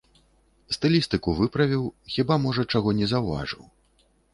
Стылістыку выправіў, хіба можа чаго не заўважыў.